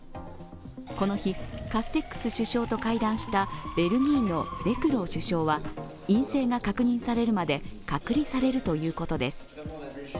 この日、カステックス首相と会談したベルギーのデクロー首相は陰性が確認されるまで隔離されるということです。